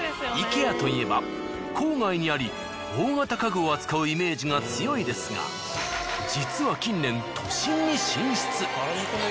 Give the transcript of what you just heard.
イケアといえば郊外にあり大型家具を扱うイメージが強いですが実は近年。